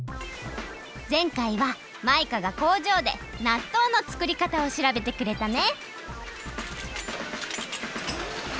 ぜんかいはマイカがこうじょうでなっとうのつくりかたをしらべてくれたね。